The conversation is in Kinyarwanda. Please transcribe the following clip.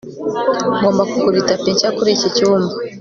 ngomba kugura itapi nshya kuri iki cyumba